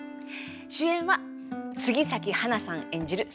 主演は杉咲花さん演じる皐月。